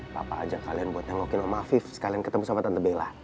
papa ajak kalian buat nengokin oma fief sekalian ketemu sama tante bella